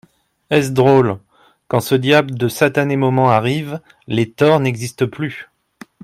Est-ce drôle !… quand ce diable de satané moment arrive, les torts n'existent plus.